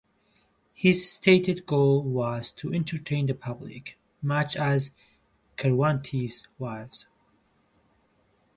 His stated goal was to entertain the public, much as Cervantes's was.